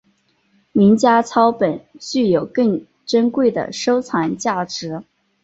名家抄本具有更珍贵的收藏价值。